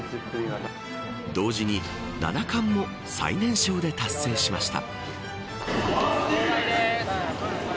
同時に七冠も最年少で達成しました。